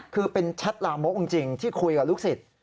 คือเป็นแชทลามกจริงที่คุยกับลูกศิษย์